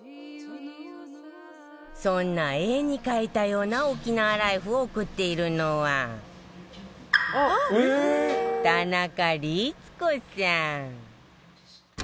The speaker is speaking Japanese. そんな、絵に描いたような沖縄ライフを送っているのは田中律子さん。